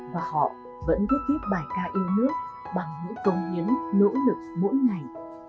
và họ vẫn tiếp tiếp bài ca yêu nước bằng những công nhấn nỗ lực mỗi ngày